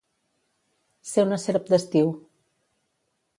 Ser una serp d'estiu.